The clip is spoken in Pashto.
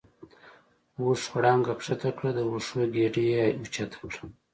اوښ غړانګه کښته کړه د وښو ګیډۍ یې اوچته کړه.